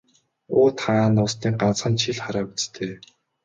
Уут хаана нуусныг ганцхан чи л хараа биз дээ.